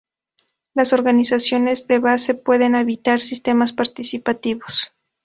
Las organizaciones de base pueden habitar sistemas participativos.